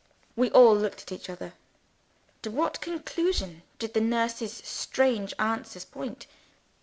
We all looked at each other. To what conclusion did the nurse's strange answers point?